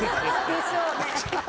でしょうね。